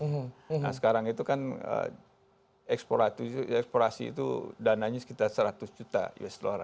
nah sekarang itu kan eksplorasi itu dananya sekitar seratus juta usd